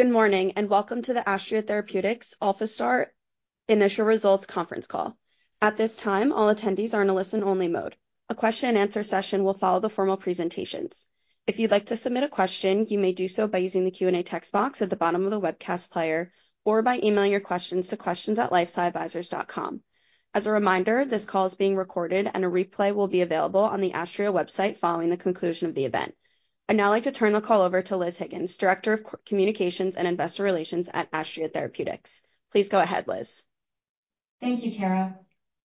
Good morning and welcome to the Astria Therapeutics ALPHA-STAR Initial Results Conference Call. At this time, all attendees are in a listen-only mode. A question-and-answer session will follow the formal presentations. If you'd like to submit a question, you may do so by using the Q&A text box at the bottom of the webcast player or by emailing your questions to questions@lifesciadvisors.com. As a reminder, this call is being recorded and a replay will be available on the Astria website following the conclusion of the event. I'd now like to turn the call over to Liz Higgins, Director of Communications and Investor Relations at Astria Therapeutics. Please go ahead, Liz. Thank you, Tara.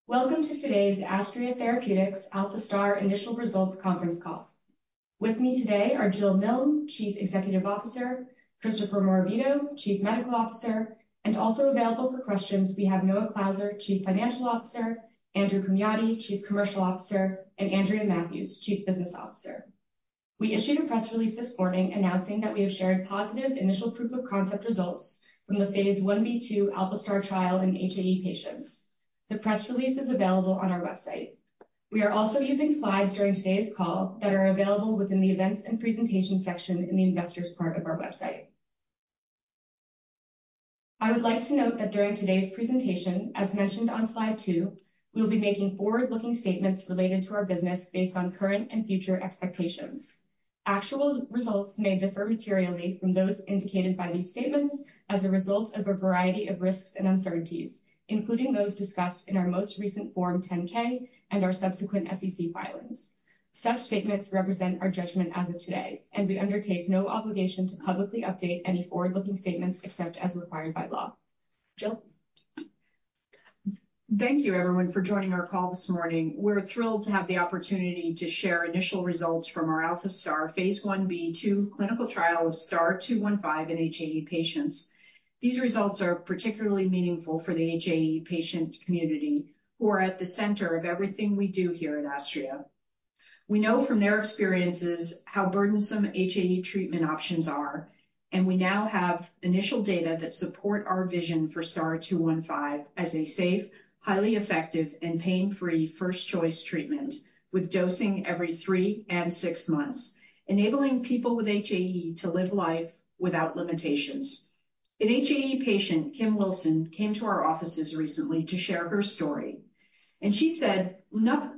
Welcome to today's Astria Therapeutics ALPHA-STAR Initial Results conference call. With me today are Jill Milne, Chief Executive Officer, Christopher Morabito, Chief Medical Officer, and also available for questions we have Noah Clauser, Chief Financial Officer, Andrew Komjathy, Chief Commercial Officer, and Andrea Matthews, Chief Business Officer. We issued a press release this morning announcing that we have shared positive initial proof-of-concept results from the phase 1b/2 ALPHA-STAR trial in HAE patients. The press release is available on our website. We are also using slides during today's call that are available within the Events and Presentations section in the Investors part of our website. I would like to note that during today's presentation, as mentioned on Slide 2, we will be making forward-looking statements related to our business based on current and future expectations. Actual results may differ materially from those indicated by these statements as a result of a variety of risks and uncertainties, including those discussed in our most recent Form 10-K and our subsequent SEC filings. Such statements represent our judgment as of today, and we undertake no obligation to publicly update any forward-looking statements except as required by law. Jill. Thank you, everyone, for joining our call this morning. We're thrilled to have the opportunity to share initial results from our ALPHA-STAR phase 1b/2 clinical trial of STAR-0215 in HAE patients. These results are particularly meaningful for the HAE patient community who are at the center of everything we do here at Astria. We know from their experiences how burdensome HAE treatment options are, and we now have initial data that support our vision for STAR-0215 as a safe, highly effective, and pain-free first-choice treatment with dosing every three and six months, enabling people with HAE to live life without limitations. An HAE patient, Kim Wilson, came to our offices recently to share her story, and she said, "Not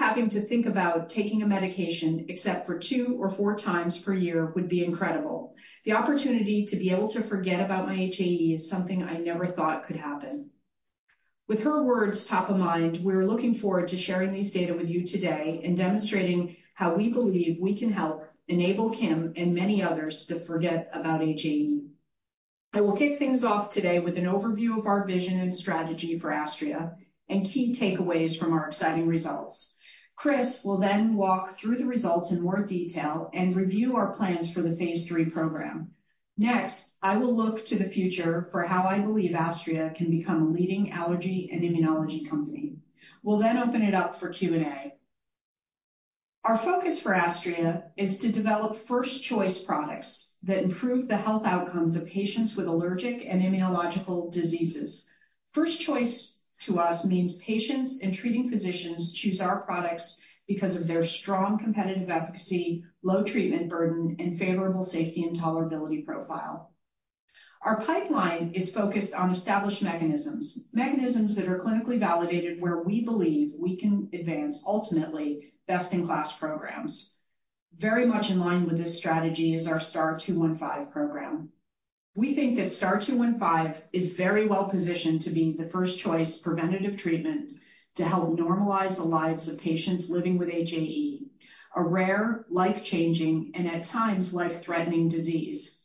having to think about taking a medication except for two or four times per year would be incredible. The opportunity to be able to forget about my HAE is something I never thought could happen." With her words top of mind, we're looking forward to sharing these data with you today and demonstrating how we believe we can help enable Kim and many others to forget about HAE. I will kick things off today with an overview of our vision and strategy for Astria and key takeaways from our exciting results. Chris will then walk through the results in more detail and review our plans for the phase III program. Next, I will look to the future for how I believe Astria can become a leading allergy and immunology company. We'll then open it up for Q&A. Our focus for Astria is to develop first-choice products that improve the health outcomes of patients with allergic and immunological diseases. First choice to us means patients and treating physicians choose our products because of their strong competitive efficacy, low treatment burden, and favorable safety and tolerability profile. Our pipeline is focused on established mechanisms-mechanisms that are clinically validated where we believe we can advance ultimately best-in-class programs. Very much in line with this strategy is our STAR-0215 program. We think that STAR-0215 is very well positioned to be the first-choice preventative treatment to help normalize the lives of patients living with HAE, a rare, life-changing, and at times life-threatening disease.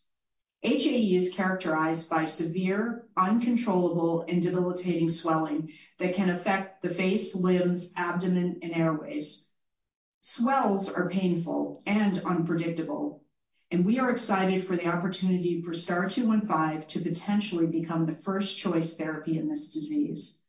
HAE is characterized by severe, uncontrollable, and debilitating swelling that can affect the face, limbs, abdomen, and airways. Swells are painful and unpredictable, and we are excited for the opportunity for STAR-0215 to potentially become the first-choice therapy in this disease.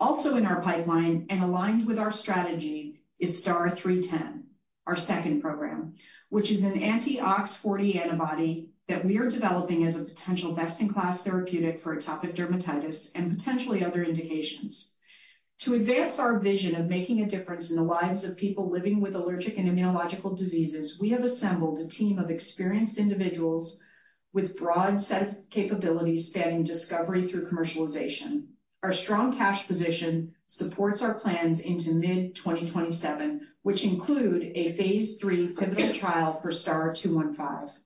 Also in our pipeline and aligned with our strategy is STAR-0310, our second program, which is an Anti-OX40 antibody that we are developing as a potential best-in-class therapeutic for atopic dermatitis and potentially other indications. To advance our vision of making a difference in the lives of people living with allergic and immunological diseases, we have assembled a team of experienced individuals with a broad set of capabilities spanning discovery through commercialization. Our strong cash position supports our plans into mid-2027, which include a phase III pivotal trial for STAR-0215.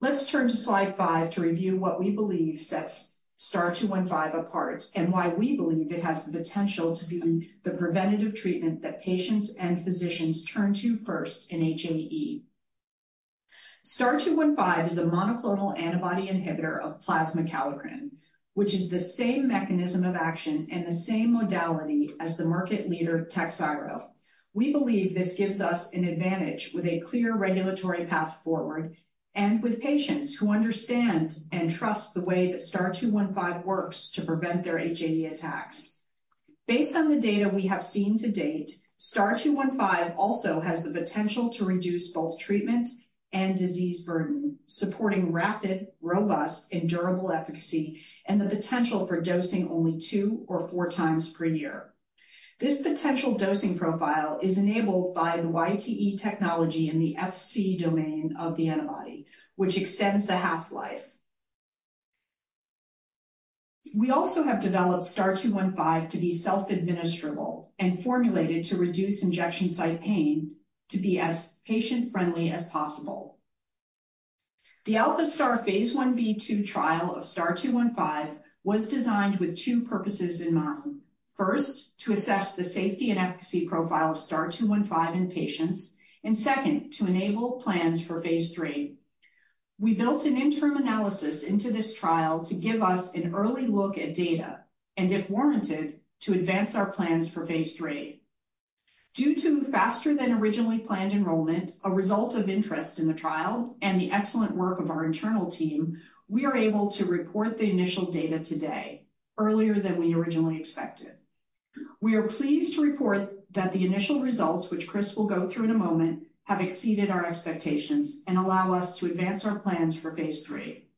Let's turn to Slide 5 to review what we believe sets STAR-0215 apart and why we believe it has the potential to be the preventative treatment that patients and physicians turn to first in HAE. STAR-0215 is a monoclonal antibody inhibitor of plasma kallikrein, which is the same mechanism of action and the same modality as the market leader Takhzyro. We believe this gives us an advantage with a clear regulatory path forward and with patients who understand and trust the way that STAR-0215 works to prevent their HAE attacks. Based on the data we have seen to date, STAR-0215 also has the potential to reduce both treatment and disease burden, supporting rapid, robust, and durable efficacy and the potential for dosing only 2 or 4 times per year. This potential dosing profile is enabled by the YTE technology in the Fc domain of the antibody, which extends the half-life. We also have developed STAR-0215 to be self-administrable and formulated to reduce injection site pain to be as patient-friendly as possible. The ALPHA-STAR phase 1b/2 trial of STAR-0215 was designed with two purposes in mind: first, to assess the safety and efficacy profile of STAR-0215 in patients; and second, to enable plans for phase III. We built an interim analysis into this trial to give us an early look at data and, if warranted, to advance our plans for phase III. Due to faster-than-originally planned enrollment, a result of interest in the trial, and the excellent work of our internal team, we are able to report the initial data today earlier than we originally expected. We are pleased to report that the initial results, which Chris will go through in a moment, have exceeded our expectations and allow us to advance our plans for phase III.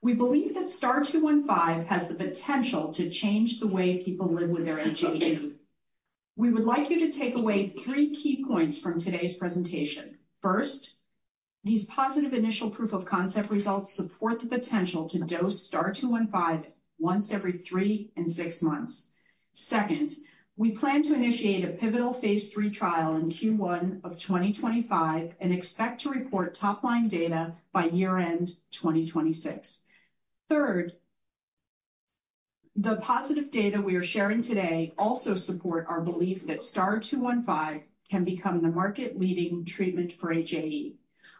We believe that STAR-0215 has the potential to change the way people live with their HAE. We would like you to take away three key points from today's presentation. First, these positive initial proof-of-concept results support the potential to dose STAR-0215 once every 3 and 6 months. Second, we plan to initiate a pivotal phase III trial in Q1 of 2025 and expect to report top-line data by year-end 2026. Third, the positive data we are sharing today also support our belief that STAR-0215 can become the market-leading treatment for HAE.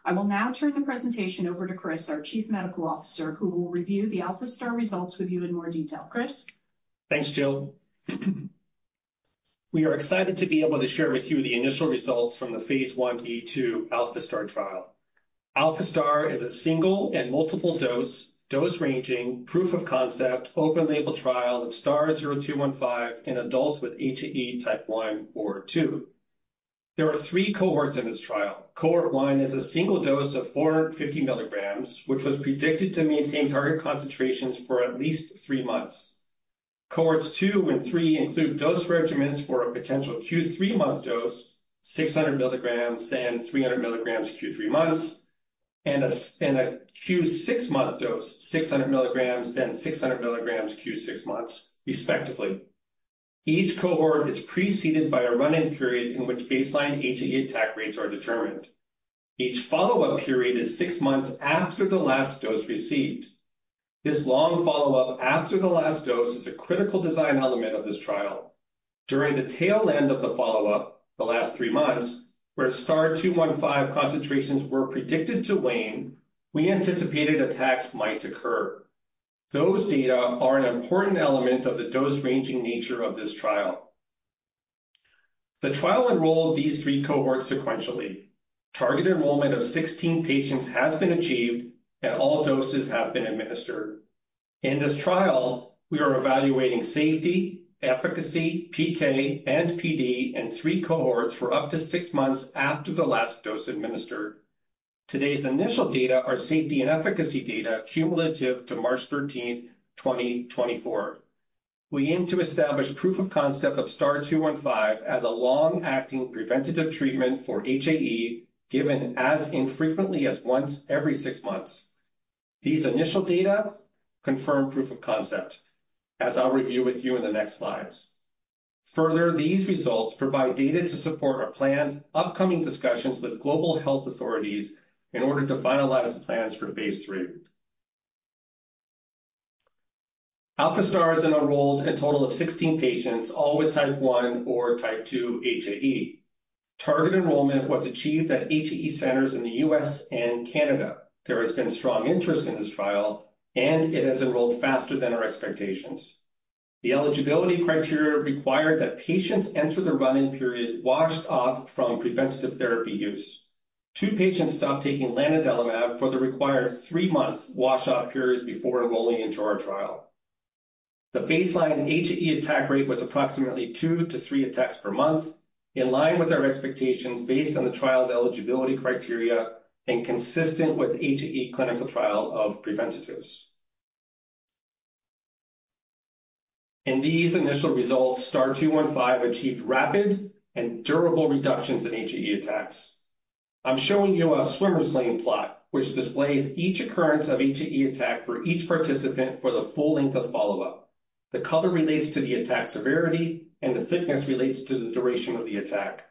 I will now turn the presentation over to Chris, our Chief Medical Officer, who will review the ALPHA-STAR results with you in more detail. Chris. Thanks, Jill. We are excited to be able to share with you the initial results from the phase 1b/2 ALPHA-STAR trial. ALPHA-STAR is a single and multiple-dose, dose-ranging, proof-of-concept open-label trial of STAR-0215 in adults with HAE Type 1 or 2. There are three cohorts in this trial. Cohort one is a single dose of 450 mg, which was predicted to maintain target concentrations for at least three months. Cohorts two and three include dose regimens for a potential Q3 month dose - 600 mg then 300 mg Q3 months - and a Q6 month dose - 600 mg then 600 mg Q6 months, respectively. Each cohort is preceded by a run-in period in which baseline HAE attack rates are determined. Each follow-up period is six months after the last dose received. This long follow-up after the last dose is a critical design element of this trial. During the tail end of the follow-up, the last three months, where STAR-0215 concentrations were predicted to wane, we anticipated attacks might occur. Those data are an important element of the dose-ranging nature of this trial. The trial enrolled these three cohorts sequentially. Target enrollment of 16 patients has been achieved, and all doses have been administered. In this trial, we are evaluating safety, efficacy, PK, and PD in three cohorts for up to 6 months after the last dose administered. Today's initial data are safety and efficacy data cumulative to March 13th, 2024. We aim to establish proof-of-concept of STAR-0215 as a long-acting preventative treatment for HAE given as infrequently as once every six months. These initial data confirm proof-of-concept, as I'll review with you in the next slides. Further, these results provide data to support our planned upcoming discussions with global health authorities in order to finalize the plans for phase III. ALPHA-STAR has enrolled a total of 16 patients, all with Type 1 or Type 2 HAE. Target enrollment was achieved at HAE centers in the US and Canada. There has been strong interest in this trial, and it has enrolled faster than our expectations. The eligibility criteria required that patients enter the run-in period washed off from preventative therapy use. Two patients stopped taking lanadelumab for the required 3-month wash-off period before enrolling into our trial. The baseline HAE attack rate was approximately two-three attacks per month, in line with our expectations based on the trial's eligibility criteria and consistent with HAE clinical trial of preventatives. In these initial results, STAR-0215 achieved rapid and durable reductions in HAE attacks. I'm showing you a swimmer's lane plot, which displays each occurrence of HAE attack for each participant for the full length of follow-up. The color relates to the attack severity, and the thickness relates to the duration of the attack.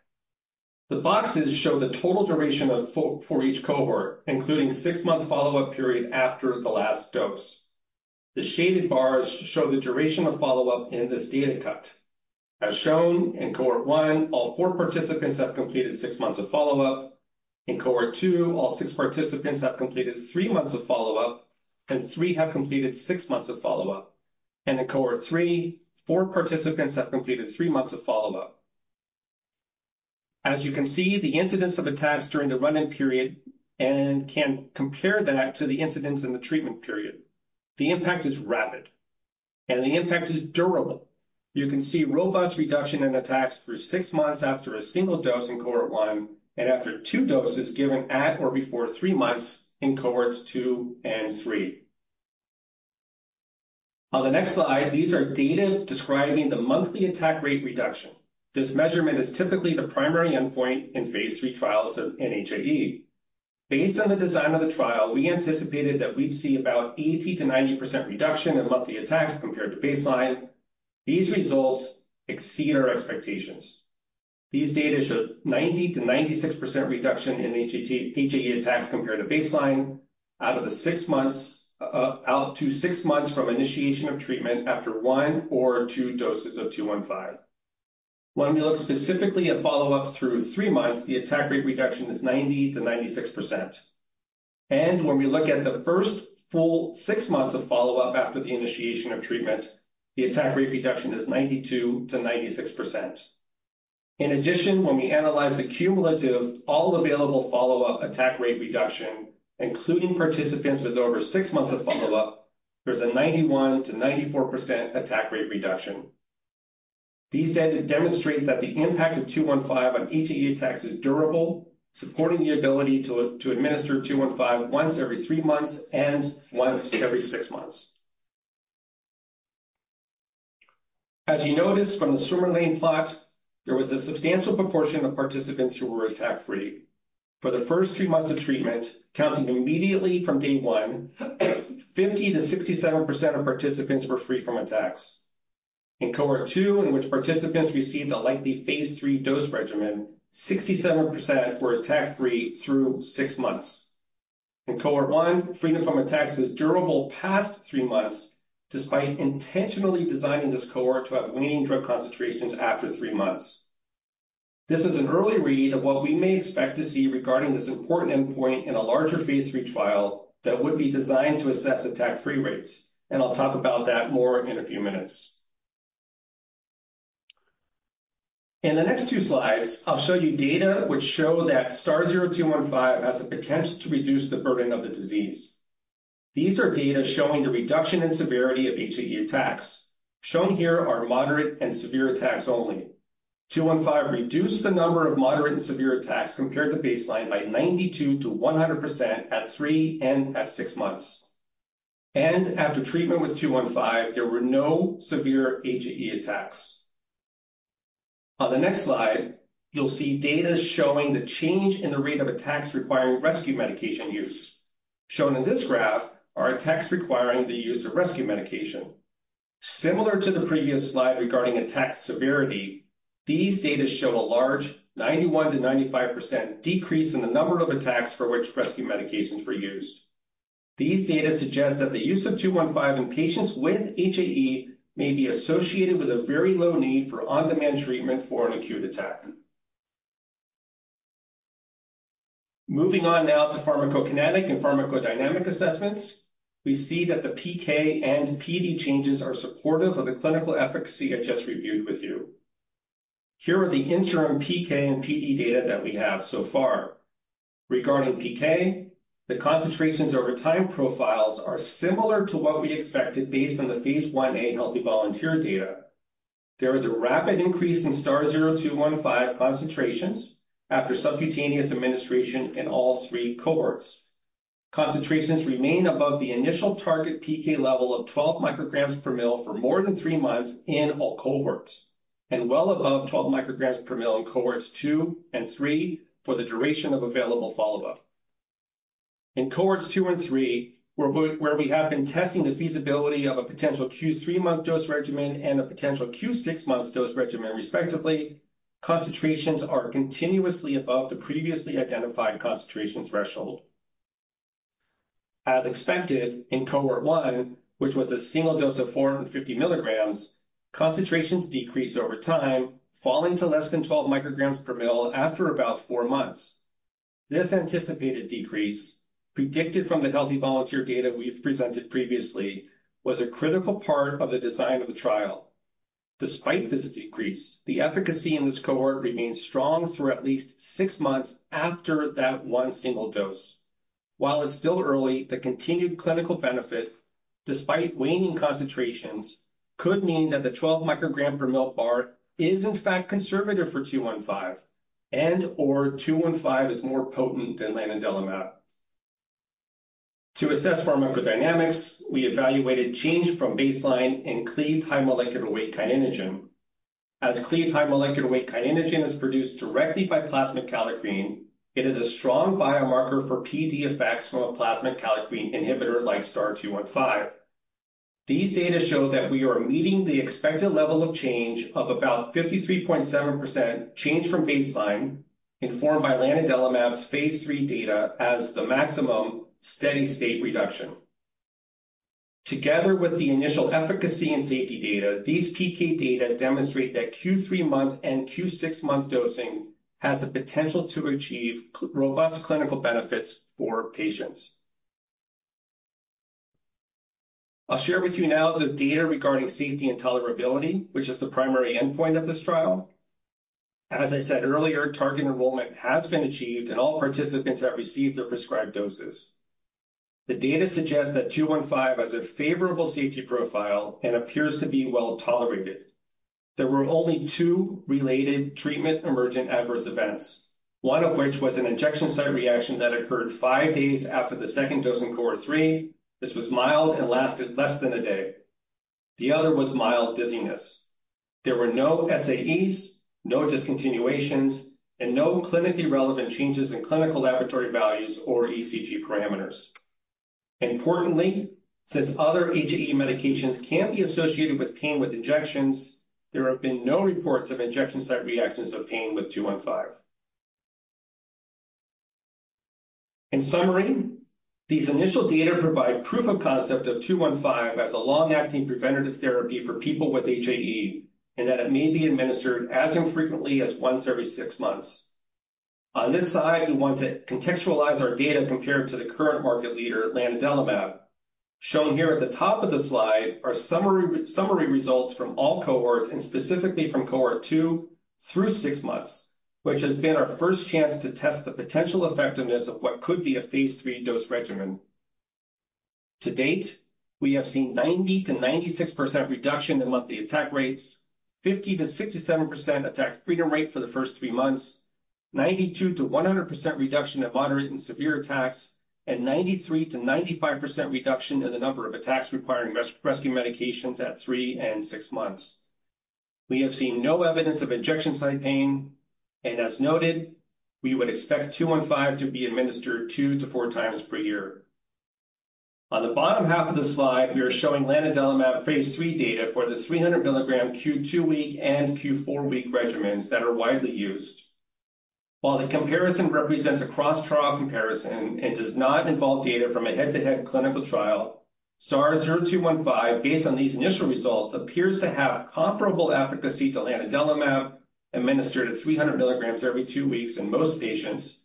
The boxes show the total duration for each cohort, including six-month follow-up period after the last dose. The shaded bars show the duration of follow-up in this data cut. As shown in Cohort one, all four participants have completed six months of follow-up. In Cohort two, all six participants have completed three months of follow-up, and three have completed six months of follow-up. In Cohort three, four participants have completed three months of follow-up. As you can see, the incidence of attacks during the run-in period can compare that to the incidence in the treatment period. The impact is rapid, and the impact is durable. You can see robust reduction in attacks through 6 months after a single dose in Cohort 1 and after two doses given at or before three months in Cohorts two and three. On the next slide, these are data describing the monthly attack rate reduction. This measurement is typically the primary endpoint in phase III trials in HAE. Based on the design of the trial, we anticipated that we'd see about 80%-90% reduction in monthly attacks compared to baseline. These results exceed our expectations. These data show 90%-96% reduction in HAE attacks compared to baseline out of the 6 months out to 6 months from initiation of treatment after one or two doses of 215. When we look specifically at follow-up through three months, the attack rate reduction is 90%-96%. When we look at the first full six months of follow-up after the initiation of treatment, the attack rate reduction is 92%-96%. In addition, when we analyze the cumulative all-available follow-up attack rate reduction, including participants with over six months of follow-up, there's a 91%-94% attack rate reduction. These data demonstrate that the impact of 215 on HAE attacks is durable, supporting the ability to administer 215 once every three months and once every six months. As you notice from the swimmer lane plot, there was a substantial proportion of participants who were attack-free. For the first three months of treatment, counting immediately from day one, 50%-67% of participants were free from attacks. In Cohort two, in which participants received a likely phase III dose regimen, 67% were attack-free through six months. In Cohort one, freedom from attacks was durable past three months despite intentionally designing this cohort to have waning drug concentrations after three months. This is an early read of what we may expect to see regarding this important endpoint in a larger phase three trial that would be designed to assess attack-free rates, and I'll talk about that more in a few minutes. In the next two slides, I'll show you data which show that STAR-0215 has the potential to reduce the burden of the disease. These are data showing the reduction in severity of HAE attacks. Shown here are moderate and severe attacks only. 215 reduced the number of moderate and severe attacks compared to baseline by 92%-100% at three and at six months. And after treatment with 215, there were no severe HAE attacks. On the next slide, you'll see data showing the change in the rate of attacks requiring rescue medication use. Shown in this graph are attacks requiring the use of rescue medication. Similar to the previous slide regarding attack severity, these data show a large 91%-95% decrease in the number of attacks for which rescue medications were used. These data suggest that the use of 215 in patients with HAE may be associated with a very low need for on-demand treatment for an acute attack. Moving on now to pharmacokinetic and pharmacodynamic assessments, we see that the PK and PD changes are supportive of the clinical efficacy I just reviewed with you. Here are the interim PK and PD data that we have so far. Regarding PK, the concentrations over time profiles are similar to what we expected based on the phase 1a healthy volunteer data. There is a rapid increase in STAR-0215 concentrations after subcutaneous administration in all three cohorts. Concentrations remain above the initial target PK level of 12 micrograms per mL for more than three months in all cohorts, and well above 12 micrograms per mL in Cohorts two and three for the duration of available follow-up. In Cohorts two and three, where we have been testing the feasibility of a potential Q3-month dose regimen and a potential Q6-month dose regimen, respectively, concentrations are continuously above the previously identified concentrations threshold. As expected in Cohort one, which was a single dose of 450 mg, concentrations decreased over time, falling to less than 12 micrograms per mL after about four months. This anticipated decrease, predicted from the healthy volunteer data we've presented previously, was a critical part of the design of the trial. Despite this decrease, the efficacy in this cohort remains strong through at least six months after that one single dose. While it's still early, the continued clinical benefit, despite waning concentrations, could mean that the 12 microgram per mL bar is, in fact, conservative for 215 and/or 215 is more potent than lanadelumab. To assess pharmacodynamics, we evaluated change from baseline in cleaved high molecular weight kininogen. As cleaved high molecular weight kininogen is produced directly by plasma kallikrein, it is a strong biomarker for PD effects from a plasma kallikrein inhibitor like STAR-0215. These data show that we are meeting the expected level of change of about 53.7% change from baseline, informed by lanadelumab's phase III data as the maximum steady-state reduction. Together with the initial efficacy and safety data, these PK data demonstrate that Q3 month and Q6 month dosing has the potential to achieve robust clinical benefits for patients. I'll share with you now the data regarding safety and tolerability, which is the primary endpoint of this trial. As I said earlier, target enrollment has been achieved, and all participants have received their prescribed doses. The data suggests that 215 has a favorable safety profile and appears to be well tolerated. There were only 2 related treatment emergent adverse events, one of which was an injection site reaction that occurred 5 days after the second dose in Cohort 3. This was mild and lasted less than a day. The other was mild dizziness. There were no SAEs, no discontinuations, and no clinically relevant changes in clinical laboratory values or ECG parameters. Importantly, since other HAE medications can be associated with pain with injections, there have been no reports of injection site reactions of pain with 215. In summary, these initial data provide proof of concept of 215 as a long-acting preventative therapy for people with HAE and that it may be administered as infrequently as once every six months. On this slide, we want to contextualize our data compared to the current market leader, lanadelumab. Shown here at the top of the slide are summary results from all cohorts and specifically from Cohort two through six months, which has been our first chance to test the potential effectiveness of what could be a phase III dose regimen. To date, we have seen 90%-96% reduction in monthly attack rates, 50%-67% attack freedom rate for the first three months, 92%-100% reduction in moderate and severe attacks, and 93%-95% reduction in the number of attacks requiring rescue medications at three and six months. We have seen no evidence of injection site pain, and as noted, we would expect 215 to be administered two to four times per year. On the bottom half of the slide, we are showing lanadelumab phase III data for the 300 mg Q2 week and Q4 week regimens that are widely used. While the comparison represents a cross-trial comparison and does not involve data from a head-to-head clinical trial, STAR-0215, based on these initial results, appears to have comparable efficacy to lanadelumab administered at 300 mg every two weeks in most patients,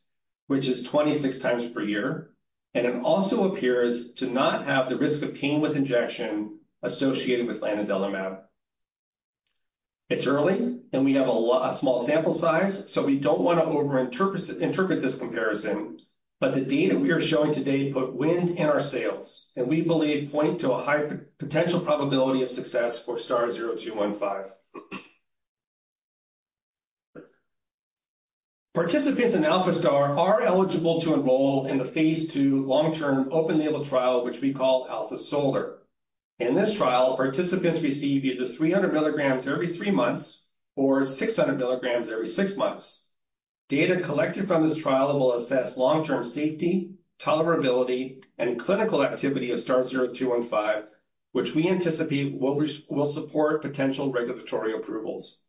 which is 26 times per year, and it also appears to not have the risk of pain with injection associated with lanadelumab. It's early, and we have a small sample size, so we don't want to overinterpret this comparison. But the data we are showing today put wind in our sails, and we believe point to a high potential probability of success for STAR-0215. Participants in ALPHA-STAR are eligible to enroll in the phase III long-term open label trial, which we call ALPHA-SOLAR. In this trial, participants receive either 300 mg every three months or 600 mg every six months. Data collected from this trial will assess long-term safety, tolerability, and clinical activity of STAR-0215, which we anticipate will support potential regulatory approvals.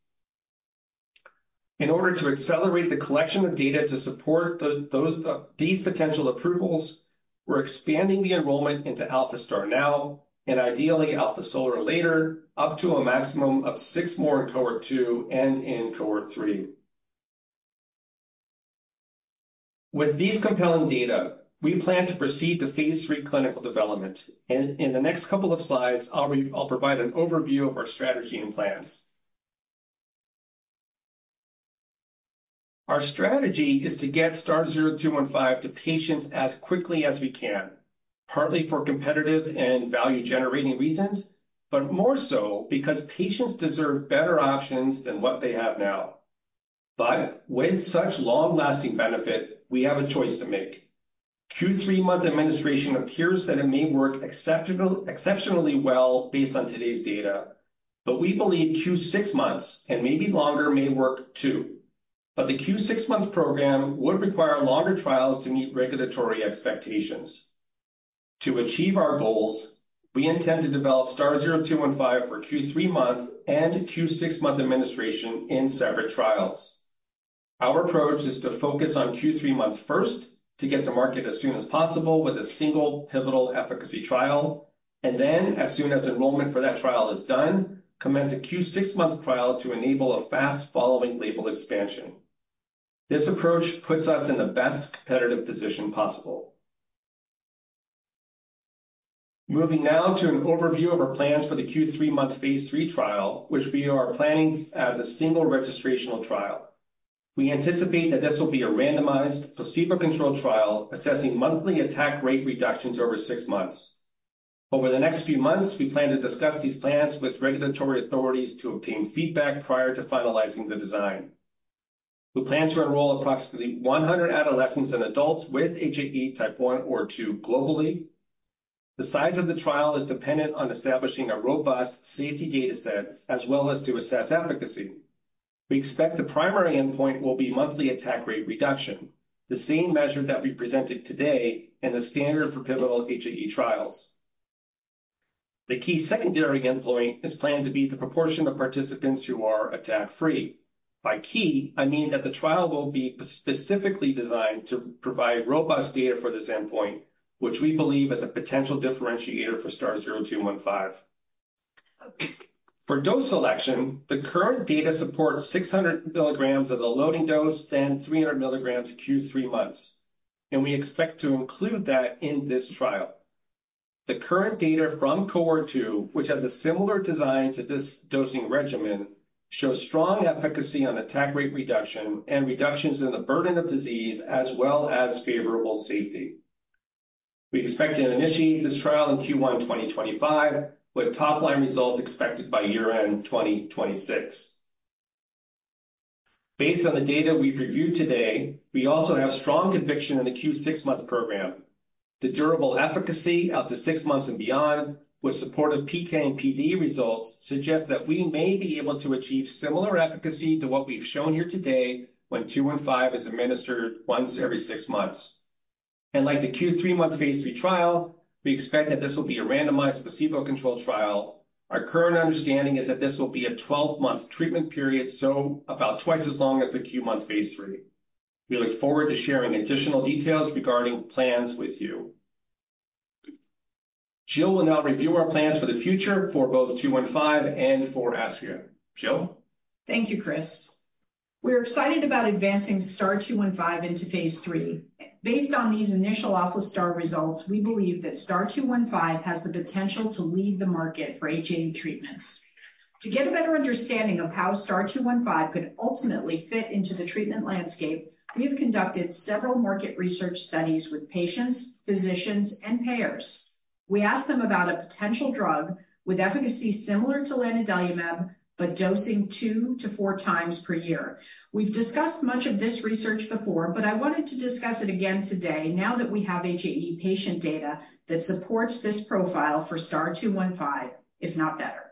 In order to accelerate the collection of data to support these potential approvals, we're expanding the enrollment into ALPHA-STAR now and ideally ALPHA-SOLAR later, up to a maximum of six more in Cohort two and in Cohort three. With these compelling data, we plan to proceed to phase III clinical development. In the next couple of slides, I'll provide an overview of our strategy and plans. Our strategy is to get STAR-0215 to patients as quickly as we can, partly for competitive and value-generating reasons, but more so because patients deserve better options than what they have now. But with such long-lasting benefit, we have a choice to make. Q3 month administration appears that it may work exceptionally well based on today's data, but we believe Q6 months and maybe longer may work too. But the Q6 month program would require longer trials to meet regulatory expectations. To achieve our goals, we intend to develop STAR-0215 for Q3 month and Q6 month administration in separate trials. Our approach is to focus on Q3 month first to get to market as soon as possible with a single pivotal efficacy trial, and then as soon as enrollment for that trial is done, commence a Q6 month trial to enable a fast following label expansion. This approach puts us in the best competitive position possible. Moving now to an overview of our plans for the Q3 month Phase 3 trial, which we are planning as a single registrational trial. We anticipate that this will be a randomized placebo-controlled trial assessing monthly attack rate reductions over six months. Over the next few months, we plan to discuss these plans with regulatory authorities to obtain feedback prior to finalizing the design. We plan to enroll approximately 100 adolescents and adults with HAE type 1 or 2 globally. The size of the trial is dependent on establishing a robust safety data set as well as to assess efficacy. We expect the primary endpoint will be monthly attack rate reduction, the same measure that we presented today in the standard for pivotal HAE trials. The key secondary endpoint is planned to be the proportion of participants who are attack-free. By key, I mean that the trial will be specifically designed to provide robust data for this endpoint, which we believe is a potential differentiator for STAR-0215. For dose selection, the current data supports 600 mg as a loading dose, then 300 mg Q3 months. We expect to include that in this trial. The current data from Cohort two, which has a similar design to this dosing regimen, shows strong efficacy on attack rate reduction and reductions in the burden of disease as well as favorable safety. We expect to initiate this trial in Q1 2025 with top-line results expected by year-end 2026. Based on the data we've reviewed today, we also have strong conviction in the Q6 month program. The durable efficacy out to six months and beyond with supportive PK and PD results suggests that we may be able to achieve similar efficacy to what we've shown here today when 215 is administered once every six months. And like the six-month phase III trial, we expect that this will be a randomized placebo-controlled trial. Our current understanding is that this will be a 12-month treatment period, so about twice as long as the six-month phase III. We look forward to sharing additional details regarding plans with you. Jill will now review our plans for the future for both STAR-0215 and for Astria. Jill? Thank you, Chris. We're excited about advancing STAR-0215 into phase III. Based on these initial ALPHA-STAR results, we believe that STAR-0215 has the potential to lead the market for HAE treatments. To get a better understanding of how STAR-0215 could ultimately fit into the treatment landscape, we have conducted several market research studies with patients, physicians, and payers. We asked them about a potential drug with efficacy similar to lanadelumab, but dosing two-four times per year. We've discussed much of this research before, but I wanted to discuss it again today now that we have HAE patient data that supports this profile for STAR-0215, if not better.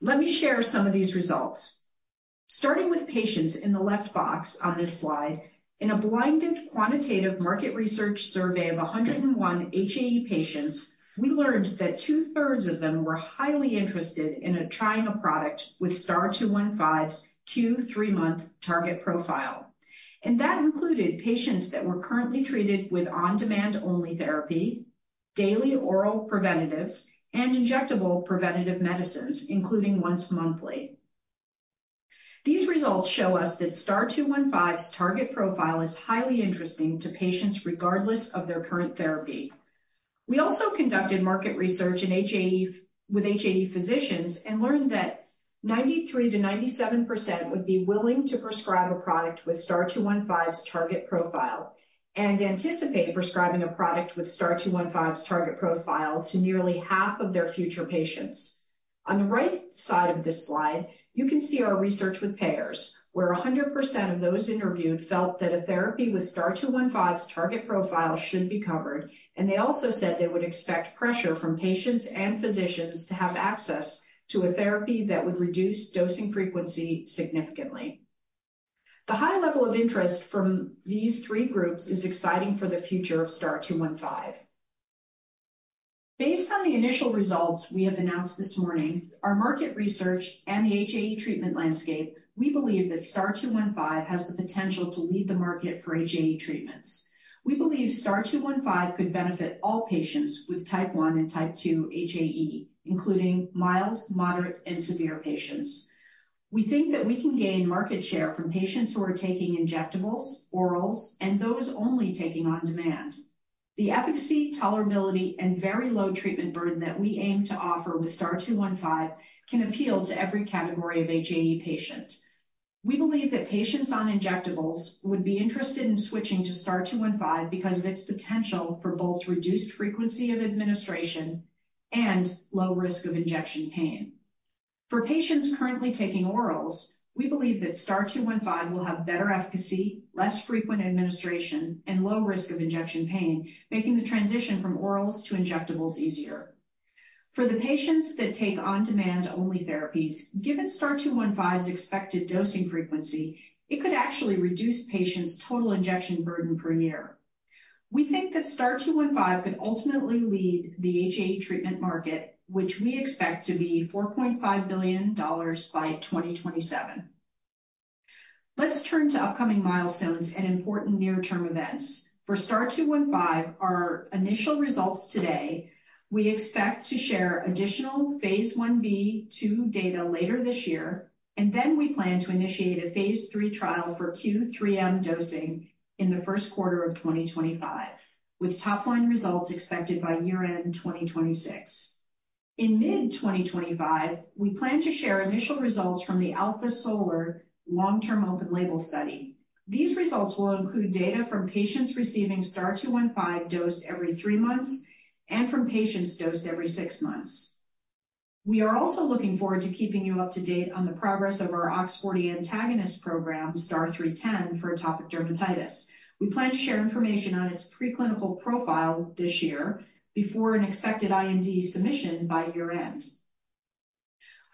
Let me share some of these results. Starting with patients in the left box on this slide, in a blinded quantitative market research survey of 101 HAE patients, we learned that two-thirds of them were highly interested in trying a product with STAR-0215's Q3 month target profile. That included patients that were currently treated with on-demand only therapy, daily oral preventatives, and injectable preventative medicines, including once monthly. These results show us that STAR-0215's target profile is highly interesting to patients regardless of their current therapy. We also conducted market research with HAE physicians and learned that 93%-97% would be willing to prescribe a product with STAR-0215's target profile and anticipate prescribing a product with STAR-0215's target profile to nearly half of their future patients. On the right side of this slide, you can see our research with payers, where 100% of those interviewed felt that a therapy with STAR-0215's target profile should be covered, and they also said they would expect pressure from patients and physicians to have access to a therapy that would reduce dosing frequency significantly. The high level of interest from these three groups is exciting for the future of STAR-0215. Based on the initial results we have announced this morning, our market research, and the HAE treatment landscape, we believe that STAR-0215 has the potential to lead the market for HAE treatments. We believe STAR-0215 could benefit all patients with type 1 and type 2 HAE, including mild, moderate, and severe patients. We think that we can gain market share from patients who are taking injectables, orals, and those only taking on demand. The efficacy, tolerability, and very low treatment burden that we aim to offer with STAR-0215 can appeal to every category of HAE patient. We believe that patients on injectables would be interested in switching to STAR-0215 because of its potential for both reduced frequency of administration and low risk of injection pain. For patients currently taking orals, we believe that STAR-0215 will have better efficacy, less frequent administration, and low risk of injection pain, making the transition from orals to injectables easier. For the patients that take on-demand only therapies, given STAR-0215's expected dosing frequency, it could actually reduce patients' total injection burden per year. We think that STAR-0215 could ultimately lead the HAE treatment market, which we expect to be $4.5 billion by 2027. Let's turn to upcoming milestones and important near-term events. For STAR-0215, our initial results today, we expect to share additional phase 1b/2 data later this year, and then we plan to initiate a phase III trial for Q3M dosing in the first quarter of 2025, with top-line results expected by year-end 2026. In mid-2025, we plan to share initial results from the ALPHA-SOLAR long-term open-label study. These results will include data from patients receiving STAR-0215 dosed every three months and from patients dosed every six months. We are also looking forward to keeping you up to date on the progress of our OX40 antagonist program, STAR-0310, for atopic dermatitis. We plan to share information on its preclinical profile this year before an expected IND submission by year-end.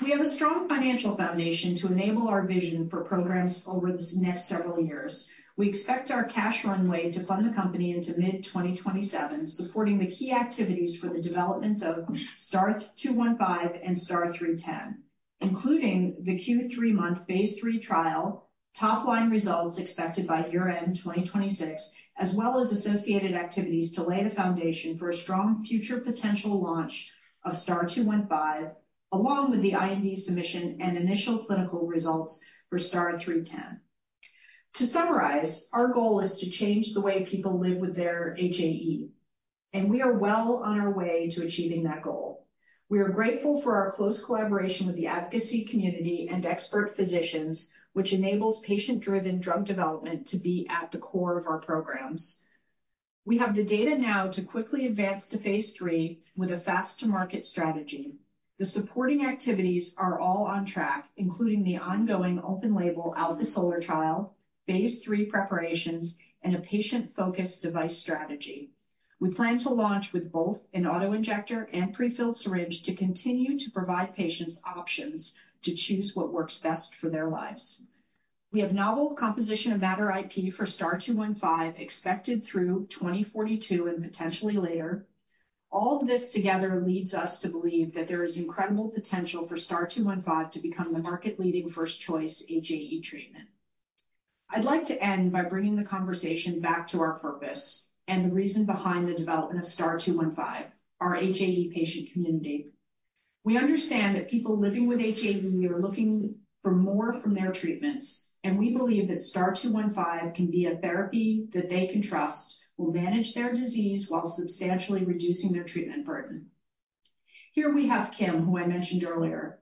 We have a strong financial foundation to enable our vision for programs over the next several years. We expect our cash runway to fund the company into mid-2027, supporting the key activities for the development of STAR-0215 and STAR-0310, including the Q3 month phase III trial, top-line results expected by year-end 2026, as well as associated activities to lay the foundation for a strong future potential launch of STAR-0215, along with the IND submission and initial clinical results for STAR-0310. To summarize, our goal is to change the way people live with their HAE, and we are well on our way to achieving that goal. We are grateful for our close collaboration with the advocacy community and expert physicians, which enables patient-driven drug development to be at the core of our programs. We have the data now to quickly advance to phase III with a fast-to-market strategy. The supporting activities are all on track, including the ongoing open-label ALPHA-SOLAR trial, phase III preparations, and a patient-focused device strategy. We plan to launch with both an autoinjector and prefilled syringe to continue to provide patients options to choose what works best for their lives. We have novel composition of matter IP for STAR-0215 expected through 2042 and potentially later. All of this together leads us to believe that there is incredible potential for STAR-0215 to become the market-leading first-choice HAE treatment. I'd like to end by bringing the conversation back to our purpose and the reason behind the development of STAR-0215, our HAE patient community. We understand that people living with HAE are looking for more from their treatments, and we believe that STAR-0215 can be a therapy that they can trust will manage their disease while substantially reducing their treatment burden. Here we have Kim, who I mentioned earlier.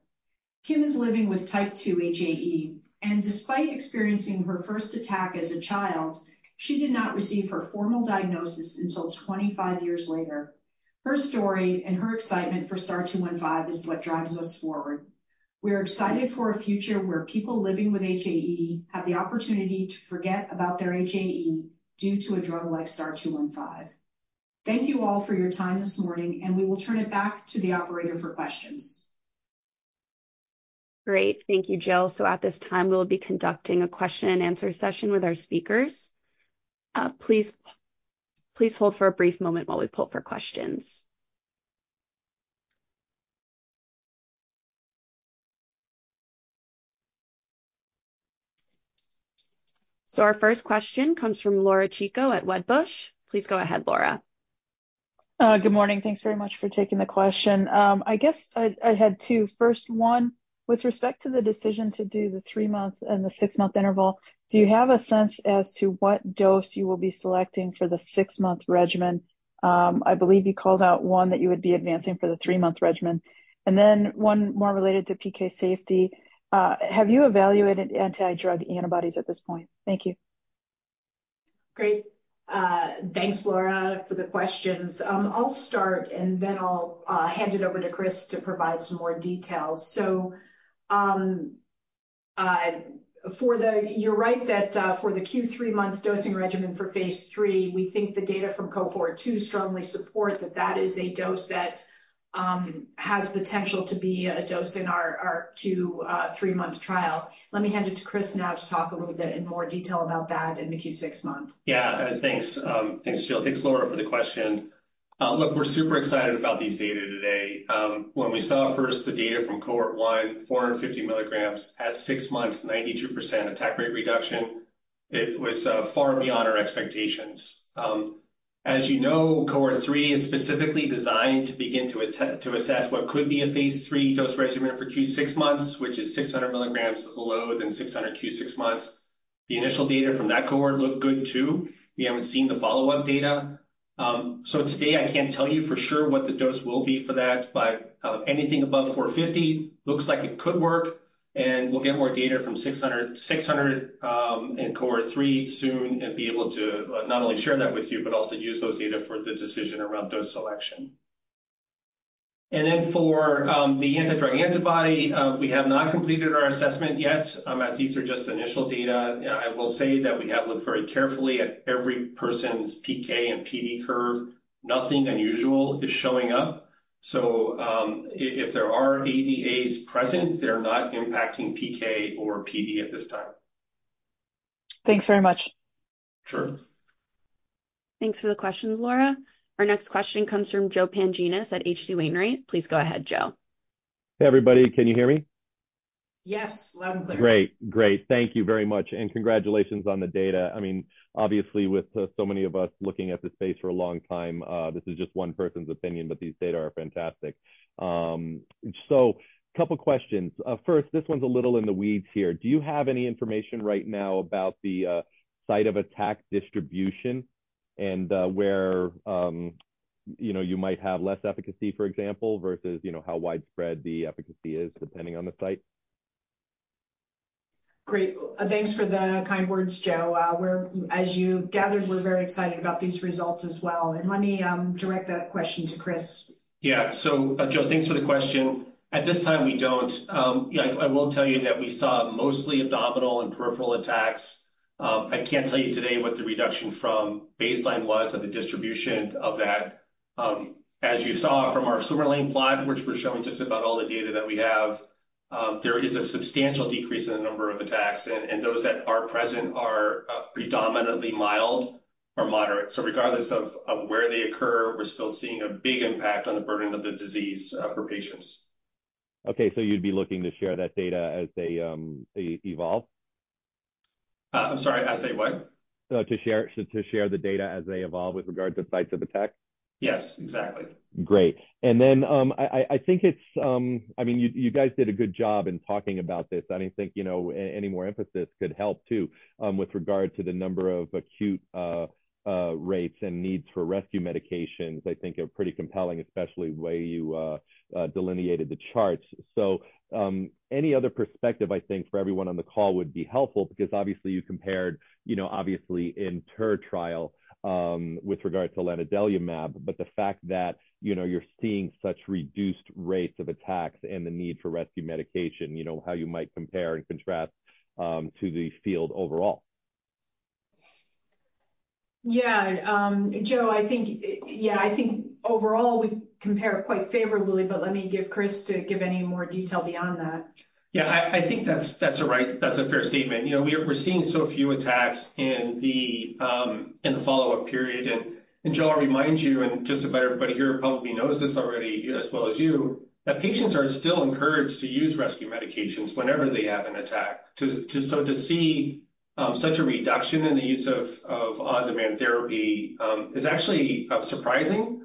Kim is living with type 2 HAE, and despite experiencing her first attack as a child, she did not receive her formal diagnosis until 25 years later. Her story and her excitement for STAR-0215 is what drives us forward. We are excited for a future where people living with HAE have the opportunity to forget about their HAE due to a drug like STAR-0215. Thank you all for your time this morning, and we will turn it back to the operator for questions. Great. Thank you, Jill. So at this time, we will be conducting a question-and-answer session with our speakers. Please hold for a brief moment while we pull for questions. So our first question comes from Laura Chico at Wedbush. Please go ahead, Laura. Good morning. Thanks very much for taking the question. I guess I had two. First one, with respect to the decision to do the three-month and the six-month interval, do you have a sense as to what dose you will be selecting for the six-month regimen? I believe you called out one that you would be advancing for the three-month regimen. And then one more related to PK safety. Have you evaluated antidrug antibodies at this point? Thank you. Great. Thanks, Laura, for the questions. I'll start, and then I'll hand it over to Chris to provide some more details. So you're right that for the three-month dosing regimen for phase three, we think the data from Cohort two strongly support that that is a dose that has potential to be a dose in our three-month trial. Let me hand it to Chris now to talk a little bit in more detail about that in the six-month. Yeah. Thanks. Thanks, Jill. Thanks, Laura, for the question. Look, we're super excited about these data today. When we saw first the data from Cohort one, 450 mg at six months, 92% attack rate reduction, it was far beyond our expectations. As you know, Cohort three is specifically designed to begin to assess what could be a phase III dose regimen for Q6 months, which is 600 mg lower than 600 Q6 months. The initial data from that cohort looked good, too. We haven't seen the follow-up data. So today, I can't tell you for sure what the dose will be for that, but anything above 450 looks like it could work, and we'll get more data from 600 in Cohort three soon and be able to not only share that with you but also use those data for the decision around dose selection. And then for the anti-drug antibody, we have not completed our assessment yet as these are just initial data. I will say that we have looked very carefully at every person's PK and PD curve. Nothing unusual is showing up. So if there are ADAs present, they're not impacting PK or PD at this time. Thanks very much. Sure. Thanks for the questions, Laura. Our next question comes from Joe Pantginis at H.C. Wainwright. Please go ahead, Joe. Hey, everybody. Can you hear me? Yes. Loud and clear. Great. Great. Thank you very much. And congratulations on the data. I mean, obviously, with so many of us looking at this space for a long time, this is just one person's opinion, but these data are fantastic. So a couple of questions. First, this one's a little in the weeds here. Do you have any information right now about the site of attack distribution and where you might have less efficacy, for example, versus how widespread the efficacy is depending on the site? Great. Thanks for the kind words, Joe. As you gathered, we're very excited about these results as well. Let me direct that question to Chris. Yeah. So, Joe, thanks for the question. At this time, we don't. I will tell you that we saw mostly abdominal and peripheral attacks. I can't tell you today what the reduction from baseline was of the distribution of that. As you saw from our Swimmer's plot, which we're showing just about all the data that we have, there is a substantial decrease in the number of attacks. Those that are present are predominantly mild or moderate. So regardless of where they occur, we're still seeing a big impact on the burden of the disease for patients. Okay. So you'd be looking to share that data as they evolve? I'm sorry. As they what? To share the data as they evolve with regard to sites of attack? Yes. Exactly. Great. And then I think it's I mean, you guys did a good job in talking about this. I don't think any more emphasis could help, too, with regard to the number of attack rates and needs for rescue medications. I think they're pretty compelling, especially the way you delineated the charts. So any other perspective, I think, for everyone on the call would be helpful because, obviously, you compared, obviously, in the STAR trial with regard to lanadelumab. But the fact that you're seeing such reduced rates of attacks and the need for rescue medication, how you might compare and contrast to the field overall. Yeah. Joe, yeah, I think overall, we compare quite favorably, but let me give Chris to give any more detail beyond that. Yeah. I think that's a fair statement. We're seeing so few attacks in the follow-up period. And Joe, I'll remind you, and just about everybody here probably knows this already as well as you, that patients are still encouraged to use rescue medications whenever they have an attack. So to see such a reduction in the use of on-demand therapy is actually surprising.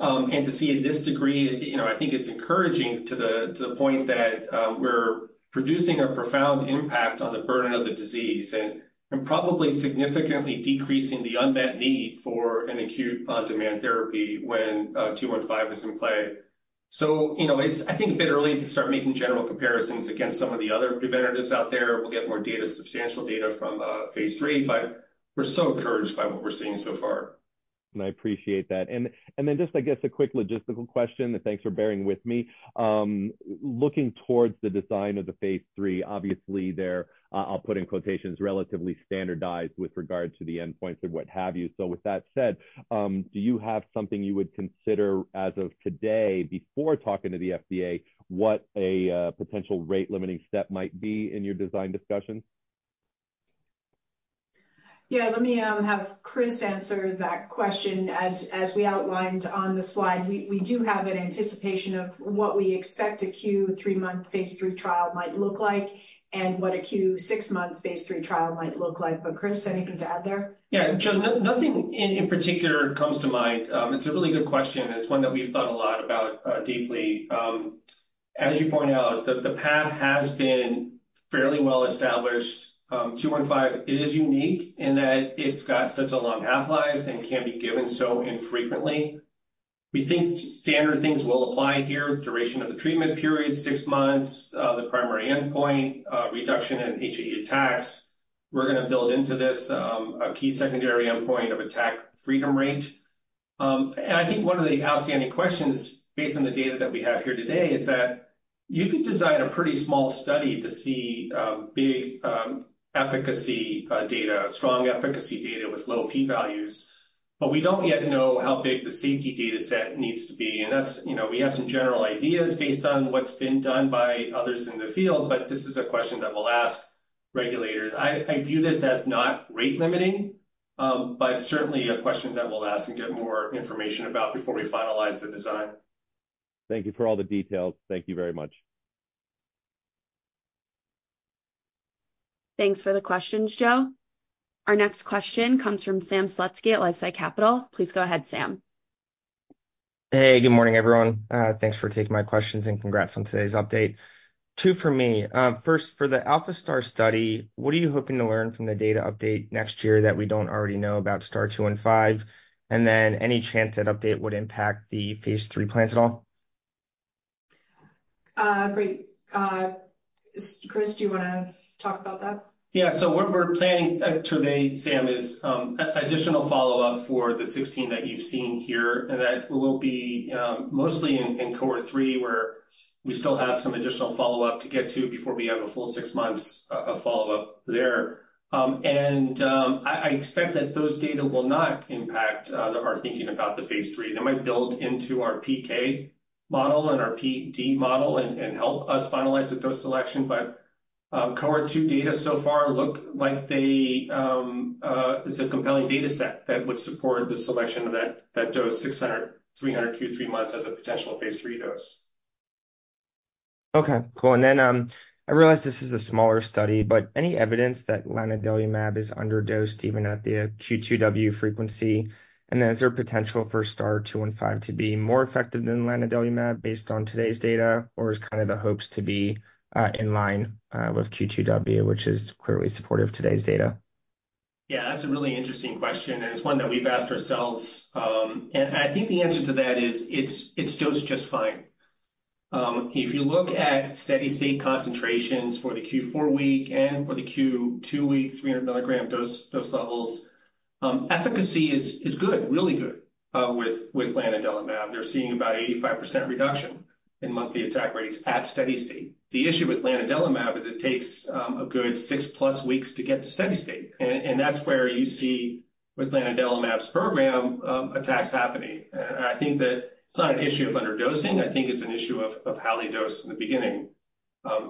To see it to this degree, I think it's encouraging to the point that we're producing a profound impact on the burden of the disease and probably significantly decreasing the unmet need for an acute on-demand therapy when STAR-0215 is in play. So it's, I think, a bit early to start making general comparisons against some of the other preventatives out there. We'll get more substantial data from phase III, but we're so encouraged by what we're seeing so far. And I appreciate that. And then just, I guess, a quick logistical question. Thanks for bearing with me. Looking towards the design of the phase III, obviously. I'll put in quotations, "relatively standardized" with regard to the endpoints and what have you. So with that said, do you have something you would consider as of today before talking to the FDA what a potential rate-limiting step might be in your design discussion? Yeah. Let me have Chris answer that question. As we outlined on the slide, we do have an anticipation of what we expect a Q3 month phase III trial might look like and what a Q6 month phase III trial might look like. But Chris, anything to add there? Yeah. Joe, nothing in particular comes to mind. It's a really good question. It's one that we've thought a lot about deeply. As you point out, the path has been fairly well established. STAR-0215 is unique in that it's got such a long half-life and can be given so infrequently. We think standard things will apply here: duration of the treatment period, six months, the primary endpoint, reduction in HAE attacks. We're going to build into this a key secondary endpoint of attack freedom rate. I think one of the outstanding questions, based on the data that we have here today, is that you could design a pretty small study to see big efficacy data, strong efficacy data with low p-values. We don't yet know how big the safety dataset needs to be. We have some general ideas based on what's been done by others in the field, but this is a question that we'll ask regulators. I view this as not rate-limiting, but certainly a question that we'll ask and get more information about before we finalize the design. Thank you for all the details. Thank you very much. Thanks for the questions, Joe. Our next question comes from Sam Slutsky at LifeSci Capital. Please go ahead, Sam. Hey. Good morning, everyone. Thanks for taking my questions and congrats on today's update. Two for me. First, for the ALPHA-STAR study, what are you hoping to learn from the data update next year that we don't already know about STAR-0215? And then any chance that update would impact the phase III plans at all? Great. Chris, do you want to talk about that? Yeah. So what we're planning today, Sam, is additional follow-up for the 16 that you've seen here. And that will be mostly in Cohort three, where we still have some additional follow-up to get to before we have a full six months of follow-up there. And I expect that those data will not impact our thinking about the phase III. They might build into our PK model and our PD model and help us finalize the dose selection. But Cohort two data so far look like it's a compelling dataset that would support the selection of that dose, 300 mg Q3M, as a potential phase III dose. Okay. Cool. And then I realize this is a smaller study, but any evidence that lanadelumab is underdosed even at the Q2W frequency? And then is there potential for STAR-0215 to be more effective than lanadelumab based on today's data, or is kind of the hopes to be in line with Q2W, which is clearly supportive of today's data? Yeah. That's a really interesting question. And it's one that we've asked ourselves. And I think the answer to that is it's dosed just fine. If you look at steady-state concentrations for the Q4W and for the Q2W, 300 mg dose levels, efficacy is good, really good with lanadelumab. They're seeing about 85% reduction in monthly attack rates at steady-state. The issue with lanadelumab is it takes a good six-plus weeks to get to steady-state. And that's where you see with lanadelumab's program attacks happening. And I think that it's not an issue of underdosing. I think it's an issue of how they dose in the beginning.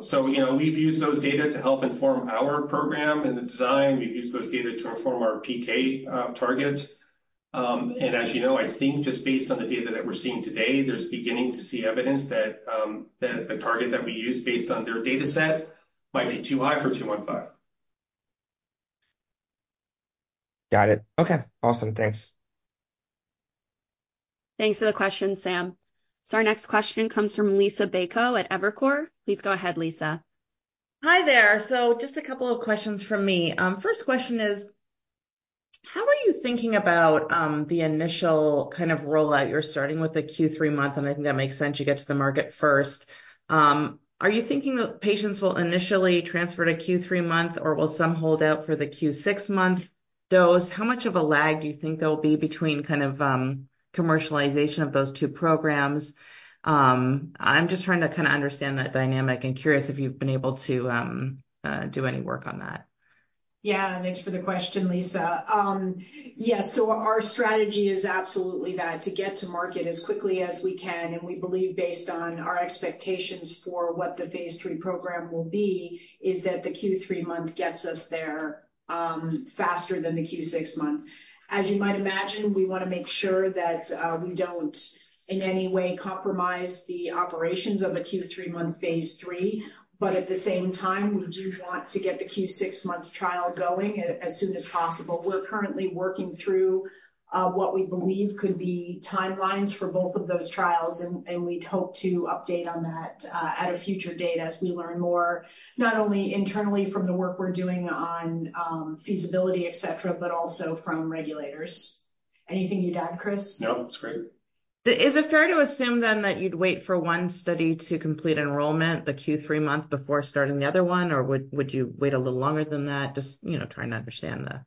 So we've used those data to help inform our program and the design. We've used those data to inform our PK target. And as you know, I think just based on the data that we're seeing today, there's beginning to see evidence that the target that we use based on their dataset might be too high for STAR-0215. Got it. Okay. Awesome. Thanks. Thanks for the question, Sam. So our next question comes from Liisa Bayko at Evercore ISI. Please go ahead, Liisa. Hi there. So just a couple of questions from me. First question is, how are you thinking about the initial kind of rollout? You're starting with the Q3 month, and I think that makes sense. You get to the market first. Are you thinking that patients will initially transfer to Q3 month, or will some hold out for the Q6 month dose? How much of a lag do you think there'll be between kind of commercialization of those two programs? I'm just trying to kind of understand that dynamic and curious if you've been able to do any work on that. Yeah. Thanks for the question, Liisa. Yes. So our strategy is absolutely that, to get to market as quickly as we can. We believe, based on our expectations for what the phase III program will be, is that the Q3 month gets us there faster than the Q6 month. As you might imagine, we want to make sure that we don't, in any way, compromise the operations of a Q3 month phase III. But at the same time, we do want to get the Q6 month trial going as soon as possible. We're currently working through what we believe could be timelines for both of those trials, and we'd hope to update on that at a future date as we learn more, not only internally from the work we're doing on feasibility, etc., but also from regulators. Anything you'd add, Chris? Nope. It's great. Is it fair to assume then that you'd wait for one study to complete enrollment, the Q3 month, before starting the other one? Or would you wait a little longer than that, just trying to understand the time?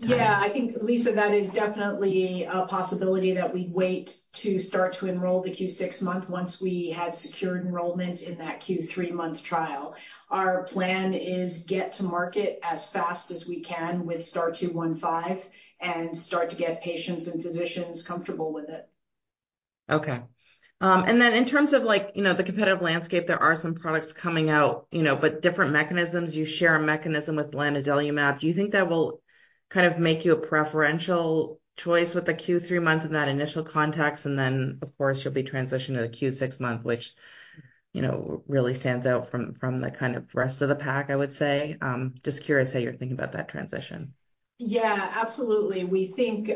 Yeah. I think, Liisa, that is definitely a possibility that we'd wait to start to enroll the Q6 month once we had secured enrollment in that Q3 month trial. Our plan is to get to market as fast as we can with STAR-0215 and start to get patients and physicians comfortable with it. Okay. And then in terms of the competitive landscape, there are some products coming out, but different mechanisms. You share a mechanism with lanadelumab. Do you think that will kind of make you a preferential choice with the Q3 month in that initial context? And then, of course, you'll be transitioning to the Q6 month, which really stands out from the kind of rest of the pack, I would say. Just curious how you're thinking about that transition. Yeah. Absolutely. We think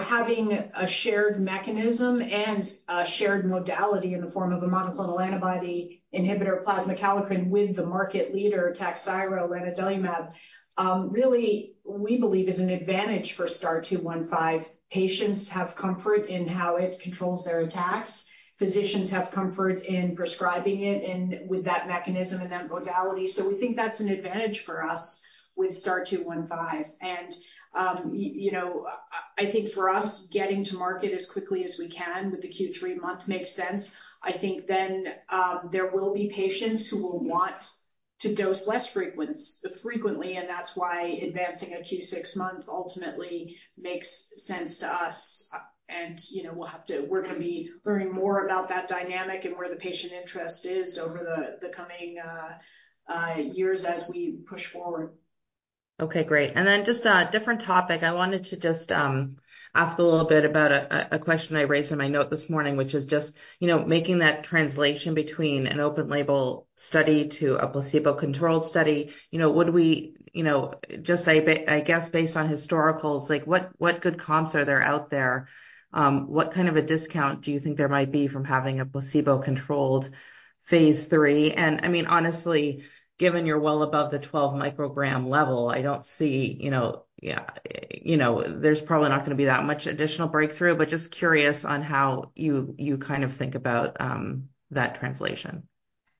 having a shared mechanism and a shared modality in the form of a monoclonal antibody inhibitor, plasma kallikrein, with the market leader, Takhzyro, lanadelumab, really, we believe, is an advantage for STAR-0215. Patients have comfort in how it controls their attacks. Physicians have comfort in prescribing it with that mechanism and that modality. So we think that's an advantage for us with STAR-0215. And I think for us, getting to market as quickly as we can with the Q3 month makes sense. I think then there will be patients who will want to dose less frequently, and that's why advancing a Q6 month ultimately makes sense to us. And we're going to be learning more about that dynamic and where the patient interest is over the coming years as we push forward. Okay. Great. And then just a different topic. I wanted to just ask a little bit about a question I raised in my note this morning, which is just making that translation between an open-label study to a placebo-controlled study. Would we just, I guess, based on historicals, what good comps are there out there? What kind of a discount do you think there might be from having a placebo-controlled phase III? And I mean, honestly, given you're well above the 12-microgram level, I don't see yeah, there's probably not going to be that much additional breakthrough. But just curious on how you kind of think about that translation.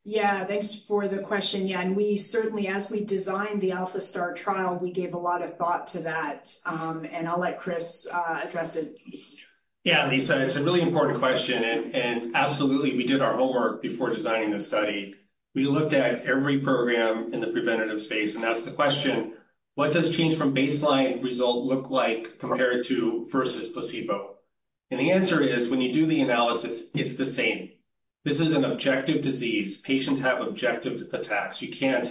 Yeah. Thanks for the question. Yeah. And certainly, as we designed the ALPHA-STAR trial, we gave a lot of thought to that. And I'll let Chris address it. Yeah, Liisa. It's a really important question. And absolutely, we did our homework before designing this study. We looked at every program in the preventative space. That's the question: what does change from baseline result look like compared to versus placebo? The answer is, when you do the analysis, it's the same. This is an objective disease. Patients have objective attacks. You can't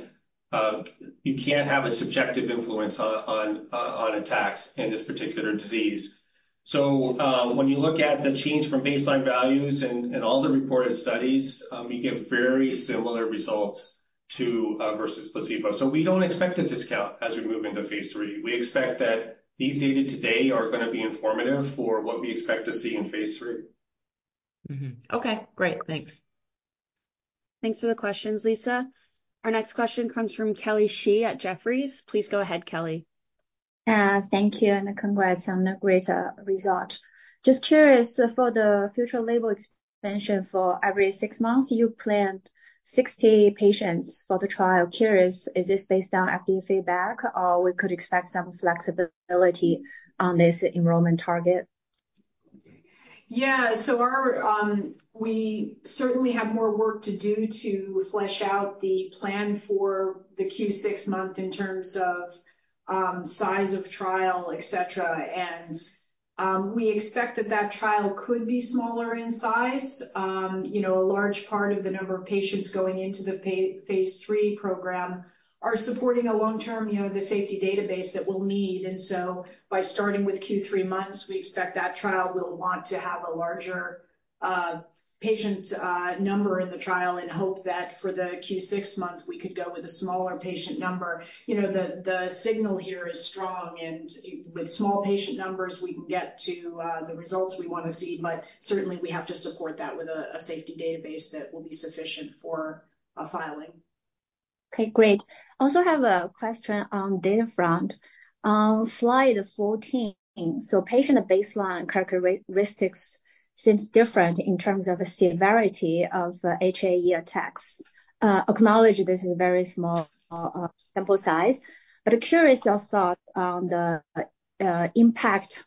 have a subjective influence on attacks in this particular disease. So when you look at the change from baseline values and all the reported studies, you get very similar results versus placebo. So we don't expect a discount as we move into phase III. We expect that these data today are going to be informative for what we expect to see in phase III. Okay. Great. Thanks. Thanks for the questions, Liisa. Our next question comes from Kelly Shi at Jefferies. Please go ahead, Kelly. Thank you. And congrats on a great result. Just curious, for the future label expansion for every six months, you planned 60 patients for the trial. Curious, is this based on FDA feedback, or we could expect some flexibility on this enrollment target? Yeah. So we certainly have more work to do to flesh out the plan for the Q6 month in terms of size of trial, etc. We expect that that trial could be smaller in size. A large part of the number of patients going into the phase III program are supporting a long-term safety database that we'll need. So by starting with Q3 months, we expect that trial will want to have a larger patient number in the trial in hope that for the Q6 month, we could go with a smaller patient number. The signal here is strong. With small patient numbers, we can get to the results we want to see. But certainly, we have to support that with a safety database that will be sufficient for filing. Okay. Great. I also have a question on data front. Slide 14. So patient baseline characteristics seem different in terms of severity of HAE attacks. Acknowledge this is a very small sample size. But curious also on the impact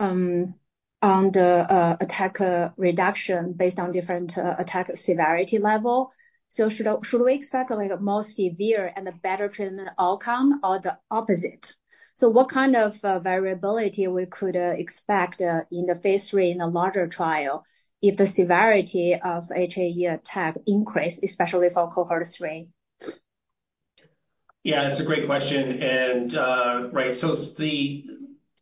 on the attack reduction based on different attack severity level. So should we expect a more severe and a better treatment outcome, or the opposite? So what kind of variability we could expect in the phase III in a larger trial if the severity of HAE attack increases, especially for Cohort three? Yeah. That's a great question. And right.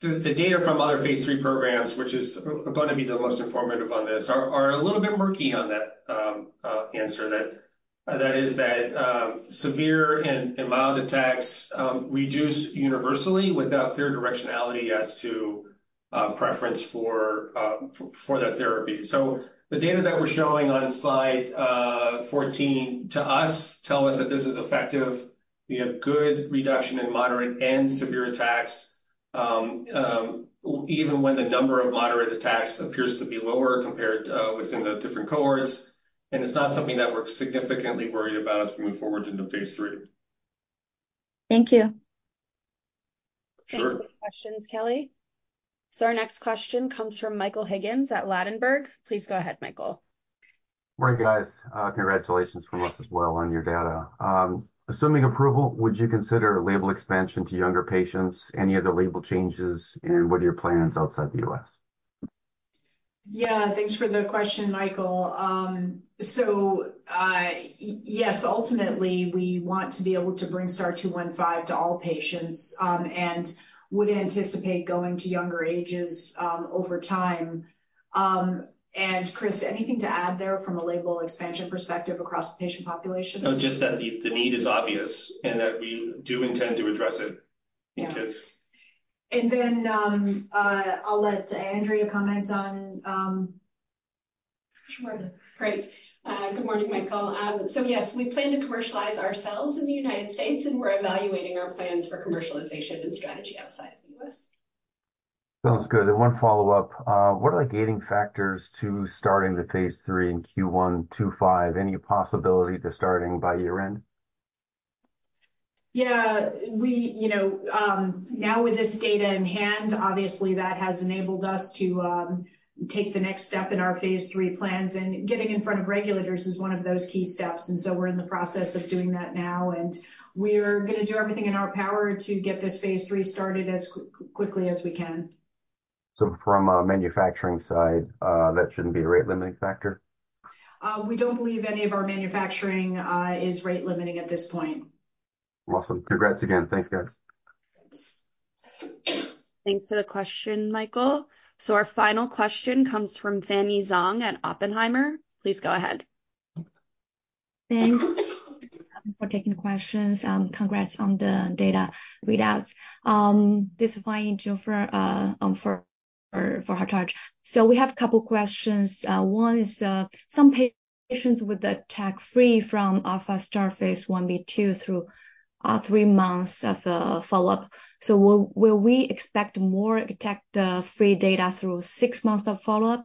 The data from other phase III programs, which are going to be the most informative on this, are a little bit murky on that answer. That is that severe and mild attacks reduce universally without clear directionality as to preference for that therapy. The data that we're showing on slide 14 to us tell us that this is effective. We have good reduction in moderate and severe attacks, even when the number of moderate attacks appears to be lower compared within the different cohorts. And it's not something that we're significantly worried about as we move forward into phase III. Thank you. Sure. Thanks for the questions, Kelly. Our next question comes from Michael Higgins at Ladenburg. Please go ahead, Michael. Great, guys. Congratulations from us as well on your data. Assuming approval, would you consider label expansion to younger patients? Any other label changes? And what are your plans outside the U.S.? Yeah. Thanks for the question, Michael. So yes, ultimately, we want to be able to bring STAR-0215 to all patients and would anticipate going to younger ages over time. And Chris, anything to add there from a label expansion perspective across the patient population? Just that the need is obvious and that we do intend to address it in kids. And then I'll let Andrea comment on. Sure. Great. Good morning, Michael. So yes, we plan to commercialize ourselves in the United States, and we're evaluating our plans for commercialization and strategy outside the US Sounds good. And one follow-up. What are the gating factors to starting the phase III in Q1 '25? Any possibility to starting by year-end? Yeah. Now with this data in hand, obviously, that has enabled us to take the next step in our phase III plans. Getting in front of regulators is one of those key steps. So we're in the process of doing that now. We're going to do everything in our power to get this phase III started as quickly as we can. So from a manufacturing side, that shouldn't be a rate-limiting factor? We don't believe any of our manufacturing is rate-limiting at this point. Awesome. Congrats again. Thanks, guys. Thanks. Thanks for the question, Michael. So our final question comes from Fanny Zong at Oppenheimer. Please go ahead. Thanks. Thanks for taking the questions. Congrats on the data readouts. This is Fanny Jennifer for Hartaj. So we have a couple of questions. One is some patients were attack-free in ALPHA-STAR phase 1b/2 through three months of follow-up. So will we expect more attack-free data through six months of follow-up?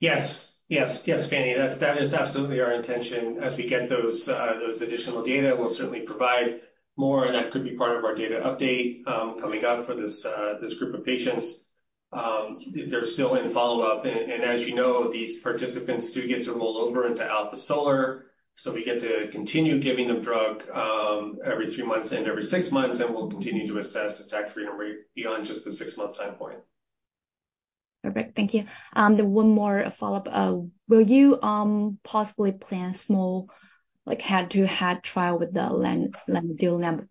Yes. Yes. Yes, Fanny. That is absolutely our intention. As we get those additional data, we'll certainly provide more. And that could be part of our data update coming up for this group of patients. They're still in follow-up. And as you know, these participants do get to roll over into ALPHA-SOLAR. So we get to continue giving them drug every 3 months and every 6 months. And we'll continue to assess attack-free and rate beyond just the 6-month time point. Perfect. Thank you. One more follow-up. Will you possibly plan a small head-to-head trial with the lanadelumab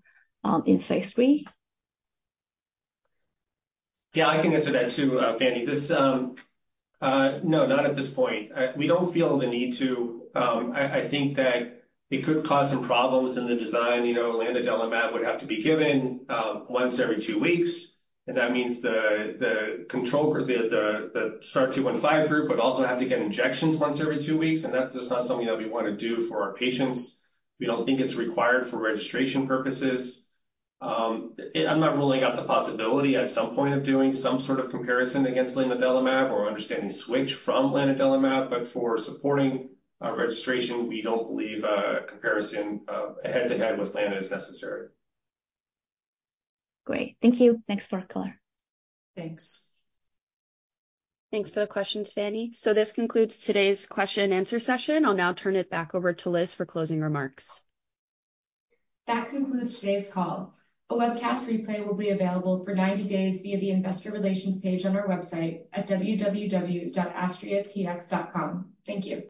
in phase III? Yeah. I can answer that too, Fanny. No, not at this point. We don't feel the need to. I think that it could cause some problems in the design. Lanadelumab would have to be given once every two weeks. That means the STAR-0215 group would also have to get injections once every two weeks. That's just not something that we want to do for our patients. We don't think it's required for registration purposes. I'm not ruling out the possibility at some point of doing some sort of comparison against lanadelumab or understanding switch from lanadelumab. But for supporting registration, we don't believe a comparison head-to-head with Lana is necessary. Great. Thank you. Thanks for the color. Thanks. Thanks for the questions, Fanny. This concludes today's question-and-answer session. I'll now turn it back over to Liz for closing remarks. That concludes today's call. A webcast replay will be available for 90 days via the investor relations page on our website at www.astria-tx.com. Thank you.